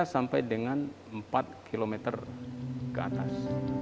tiga sampai dengan empat kilometer ke atas